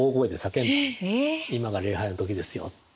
今が礼拝の時ですよって。